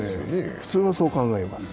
普通はそう考えます。